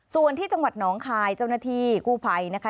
ส่วนที่จังหวัดหนองคายเจ้าหน้าที่กู้ภัยนะคะ